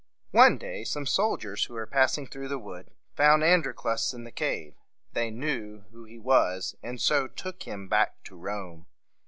One day some soldiers who were passing through the wood found Androclus in the cave. They knew who he was, and so took him back to Rome.